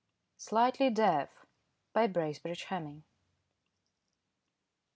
SLIGHTLY DEAF. BRACEBRIDGE HEMMING.